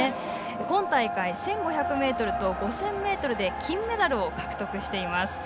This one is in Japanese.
今大会１５００ｍと５０００ｍで金メダルを獲得しています。